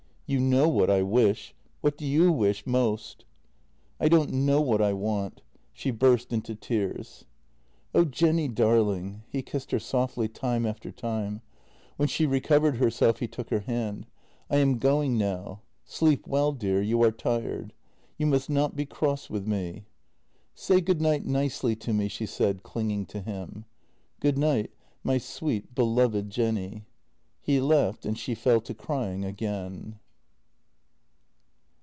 " You know what I wish. What do you wish — most? "" I don't know what I want." She burst into tears. " Oh, Jenny darling." He kissed her softly time after time. When she recovered herself he took her hand : "I am going now. Sleep well, dear; you are tired. You must not be cross with me." " Say good night nicely to me," she said, clinging to him. " Good night, my sweet, beloved Jenny." He left, and she fell to crying again.